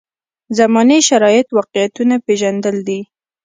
زمانې شرایط واقعیتونه پېژندل دي.